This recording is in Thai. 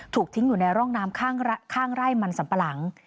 ถูกทิ้งอยู่ในร่องน้ำข้างไร่มันสัมปะหลัง